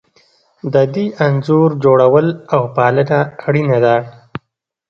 د دې انځور جوړول او پالنه اړینه ده.